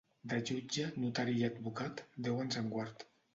De jutge, notari i advocat, Déu ens en guard.